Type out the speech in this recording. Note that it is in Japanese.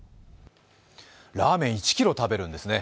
ラーメン１ｋｇ食べるんですね